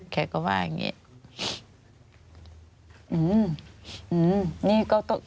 แกก็ว่าอย่างนี้